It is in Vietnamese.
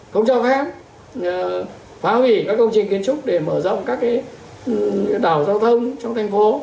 không cho phép phá hủy các công trình kiến trúc để mở rộng các đảo giao thông trong thành phố